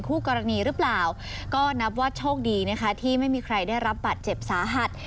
คู่กรณีหรือเปล่าก็นับว่าโชคดีนะคะที่ไม่มีใครได้รับบาดเจ็บสาหัส